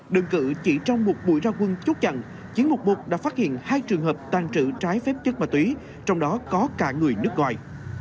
đơn cử chỉ trong một buổi ra quân chốt chặn chín trăm một mươi một đã phát hiện hai trường hợp tàn trữ trái phép chất ma túy trong đó có cả người nước ngoài